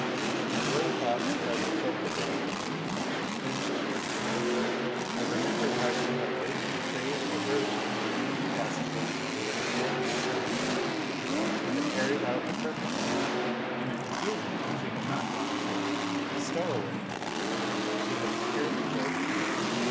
My blurred thoughts tried to cope with it all. Venza here. I remembered how she had bade me create a diversion when the women passengers were landing on the asteroid. She had carried out her purpose! In the confusion she had not gone ashore. A stowaway here. She had secured the cloak.